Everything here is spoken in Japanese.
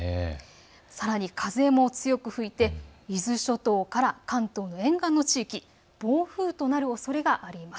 さらに風も強く吹いて伊豆諸島から関東沿岸の地域、暴風となるおそれがあります。